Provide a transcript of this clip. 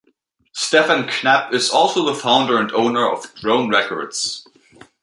Stefan Knappe is also the founder and owner of Drone Records.